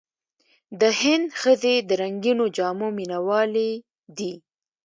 د هند ښځې د رنګینو جامو مینهوالې دي.